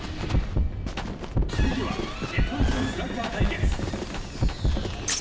続いては日本人スラッガー対決。